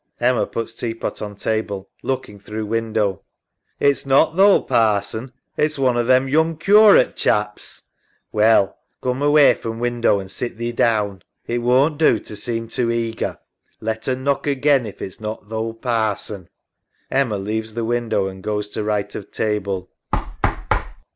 EMMA (puts tea pot on table. Looking through window). It's not th' ould Parson. It's one o' them young curate chaps. SARAH. Well, coom away from window an' sit thee down. It won't do to seem too eager. Let un knock again if it's not th' ould Parson. (Emma leaves the window and goes to right of table.